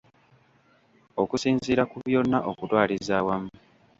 Okusinziira ku byonna okutwaliza awamu